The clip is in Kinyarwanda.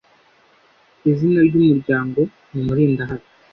Izina ryumuryango ni mulindahabi